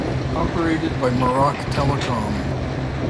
Operated by Maroc Telecom.